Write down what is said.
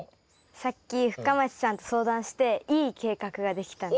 さっき深町さんと相談していい計画ができたんです。